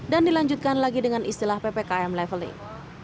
dan dilanjutkan lagi dengan istilah ppkm leveling